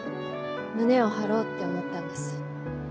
胸を張ろうって思ったんです。